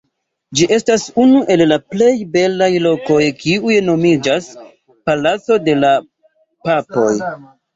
Ĝi estas unu el la plej belaj lokoj kiuj nomiĝas «Palaco de la Papoj».